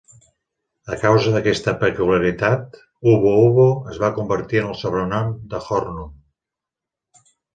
A causa d'aquesta peculiaritat, "Ubbo Ubbo" es va convertir en el sobrenom de Hornung.